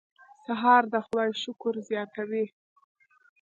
سهار د خدای شکر زیاتوي.